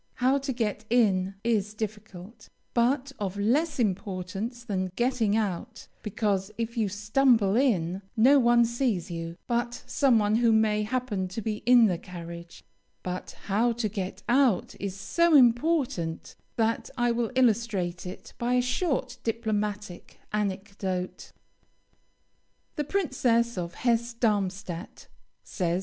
How to get in is difficult, but of less importance than getting out; because if you stumble in, no one sees you, but some one who may happen to be in the carriage; but how to get out is so important, that I will illustrate it by a short diplomatic anecdote: "The Princess of Hesse Darmstadt," says M.